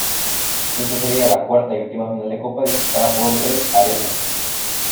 Esta sería la cuarta y última final de Copa disputada por el Arenas.